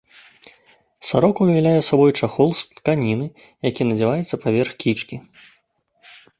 Сарока ўяўляе сабой чахол з тканіны, які надзяваецца паверх кічкі.